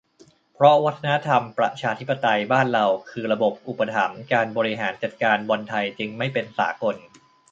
เพราะวัฒนธรรมประชาธิปไตยบ้านเรา คือระบบอุปถัมภ์ การบริหารจัดการบอลไทยจึงไม่เป็นสากล